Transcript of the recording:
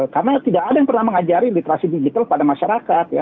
karena tidak ada yang pernah mengajari literasi digital pada masyarakat